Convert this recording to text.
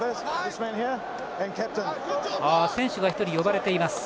選手が１人呼ばれています。